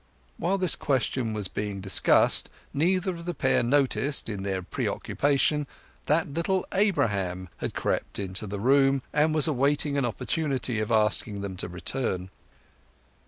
While this question was being discussed neither of the pair noticed, in their preoccupation, that little Abraham had crept into the room, and was awaiting an opportunity of asking them to return.